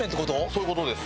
そういう事です。